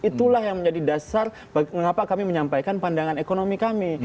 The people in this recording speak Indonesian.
itulah yang menjadi dasar mengapa kami menyampaikan pandangan ekonomi kami